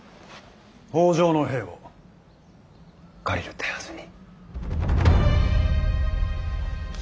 北条の兵を借りる手はずに。